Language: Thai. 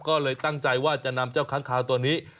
ก็เลยตั้งใจว่าจะนำเจ้าค้างคาวตัวนี้